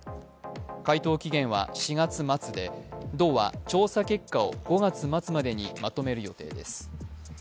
回答期限は４月末で、道は調査結果を５月末までにまとめる予定です。